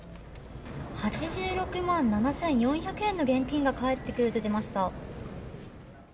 ８６万７４００円の現金が返ってくると出ました。